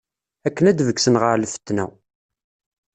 Akken ad d-beggsen ɣer lfetna.